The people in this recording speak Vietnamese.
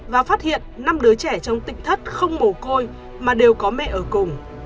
và phát hiện năm đứa trẻ trong tịnh thất không mổ côi mà đều có mẹ ở cùng